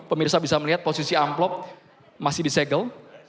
pemirsa bisa melihat posisi amplop masih disegel